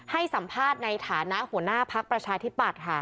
ให้สัมภาษณ์ในฐานะหัวหน้าพักประชาธิปัตย์ค่ะ